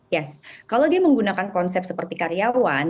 yes kalau dia menggunakan konsep seperti karyawan